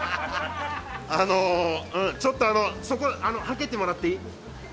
ちょっとそこはけてもらっていい？